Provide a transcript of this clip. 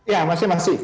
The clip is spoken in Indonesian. ya masih masih